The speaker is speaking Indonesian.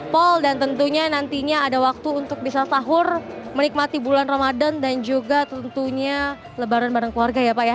paul dan tentunya nantinya ada waktu untuk bisa sahur menikmati bulan ramadan dan juga tentunya lebaran bareng keluarga ya pak ya